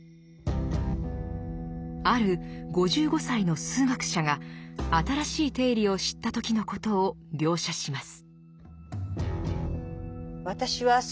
ある５５歳の数学者が新しい定理を知った時のことを描写します。